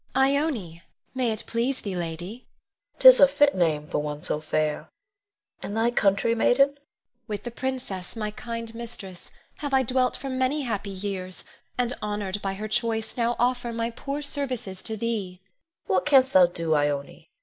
Ione; may it please thee, lady. Queen. 'Tis a fit name for one so fair; and thy country, maiden? Ione. With the princess, my kind mistress, have I dwelt for many happy years; and honored by her choice now offer my poor services to thee. Queen. What canst thou do, Ione?